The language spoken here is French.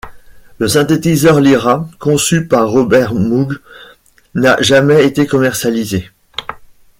Le synthétiseur Lyra, conçu par Robert Moog, n'a jamais été commercialisé.